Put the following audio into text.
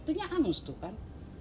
aslinya angus tuh kan